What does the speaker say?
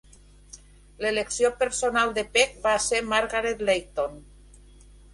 L'elecció personal de Peck va ser Margaret Leighton.